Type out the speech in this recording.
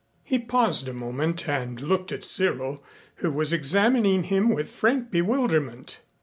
He paused a moment and looked at Cyril, who was examining him with frank bewilderment.